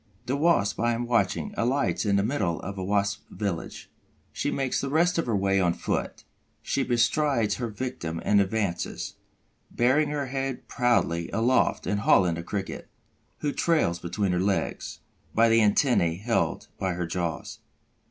The Wasp I am watching alights in the middle of a Wasp village. She makes the rest of her way on foot. She bestrides her victim and advances, bearing her head proudly aloft and hauling the Cricket, who trails between her legs, by the antennæ held between her jaws.